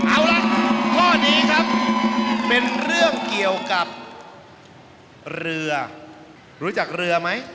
เอาล่ะข้อนี้ครับเป็นเรื่องเกี่ยวกับเรือรู้จักเรือไหม